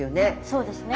そうですね。